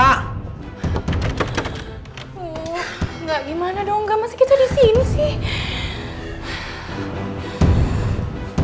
gak gimana dong gak masih kita disini sih